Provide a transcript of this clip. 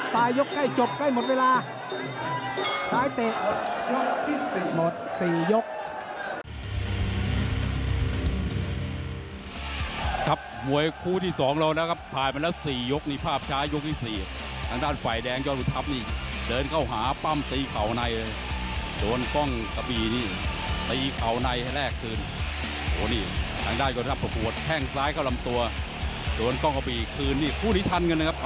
ปลายยกใกล้จบใกล้หมดเวลา